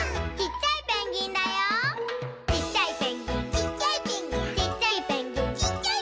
「ちっちゃいペンギン」